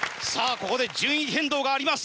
ここで順位変動があります。